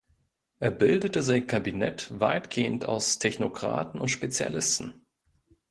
Er bildete sein Kabinett weitgehend aus Technokraten und Spezialisten.